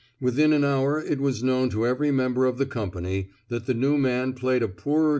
Within an hour it was known to every member of the company that the new man played a poorer 153 f THE SMOKE.